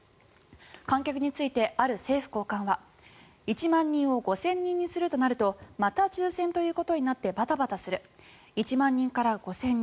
観客についてある政府高官は１万人を５０００人にするとなるとまた抽選ということになってバタバタする１万人から５０００人